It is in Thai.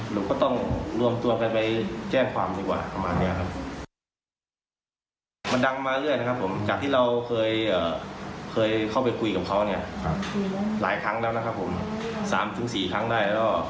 หลายครั้งแล้วนะครับผม๓๔ครั้งได้แล้ว